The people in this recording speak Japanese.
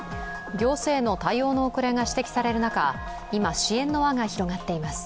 行政の対応の遅れが指摘される中今、支援の輪が広がっています。